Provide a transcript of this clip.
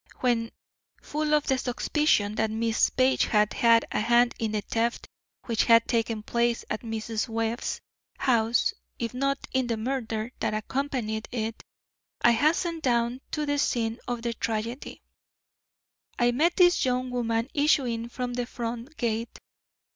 "When, full of the suspicion that Miss Page had had a hand in the theft which had taken place at Mrs. Webb's house, if not in the murder that accompanied it, I hastened down to the scene of the tragedy, I met this young woman issuing from the front gate.